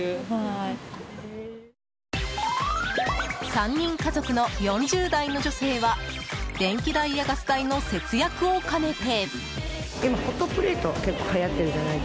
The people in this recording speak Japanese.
３人家族の４０代の女性は電気代やガス代の節約をかねて。